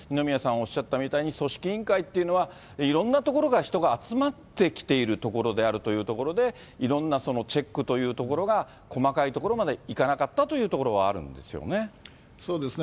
おっしゃったみたいに、組織委員会っていうのは、いろんな所から人が集まってきているところであるというところで、いろんなそのチェックっていうところが、細かいところまでいかなかったというところはあるんですよね。